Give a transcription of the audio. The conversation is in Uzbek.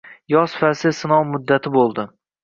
Yoz fasli sinov muddati bo‘ldi.